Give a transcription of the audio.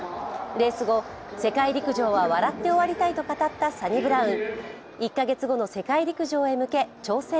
レース後、世界陸上は笑って終わりたいと語ったサニブラウン。